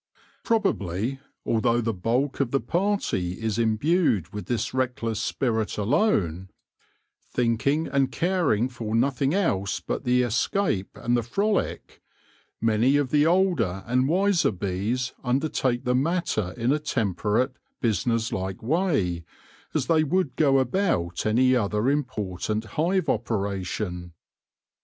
Probably, although the bulk of THE MYSTERY OF THE SWARM 129 the party is imbued with this reckless spirit alone, thinking and caring for nothing else but the escape and the frolic, many of the older and wiser bees undertake the matter in a temperate, businesslike way, as they would go about any other important hive operation.